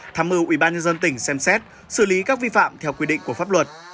thám ưu ủy ban nhân dân tỉnh xem xét xử lý các vi phạm theo quy định của pháp luật